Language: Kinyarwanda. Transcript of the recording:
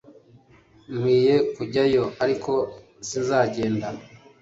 Nkwiye kujyayo ariko sinzagenda